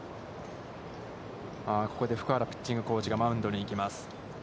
ここで福原ピッチングコーチがマウンドに行きます。